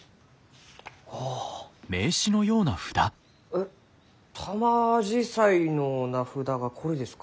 えっタマアジサイの名札がこれですか？